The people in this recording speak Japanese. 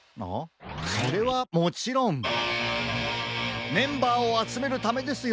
それはもちろんメンバーをあつめるためですよ。